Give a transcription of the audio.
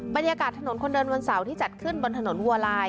บรรยากาศถนนคนเดินวันเสาร์ที่จัดขึ้นบนถนนวัวลาย